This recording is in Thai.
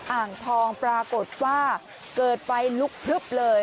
อ่างทองปรากฏว่าเกิดไฟลุกพลึบเลย